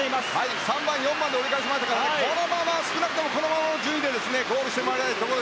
３番、４番で折り返しましたから少なくともこのままの順位でゴールしてもらいたい。